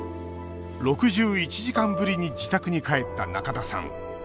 ６１時間ぶりに自宅に帰った仲田さん。